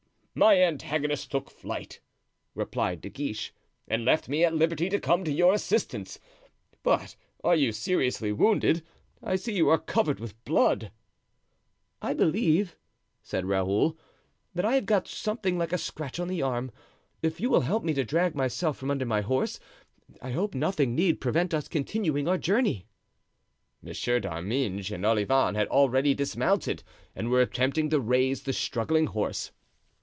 "My antagonist took flight," replied De Guiche "and left me at liberty to come to your assistance. But are you seriously wounded? I see you are covered with blood!" "I believe," said Raoul, "that I have got something like a scratch on the arm. If you will help me to drag myself from under my horse I hope nothing need prevent us continuing our journey." Monsieur d'Arminges and Olivain had already dismounted and were attempting to raise the struggling horse.